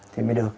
thì mới được